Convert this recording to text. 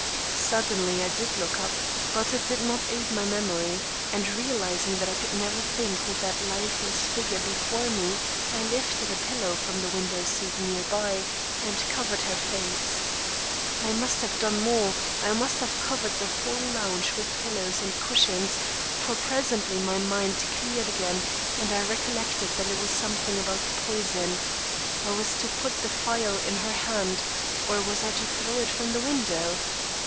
"Suddenly I did look up, but it did not aid my memory; and, realising that I could never think with that lifeless figure before me, I lifted a pillow from the window seat near by and covered her face. I must have done more; I must have covered the whole lounge with pillows and cushions; for, presently my mind cleared again, and I recollected that it was something about the poison. I was to put the phial in her hand or was I to throw it from the window?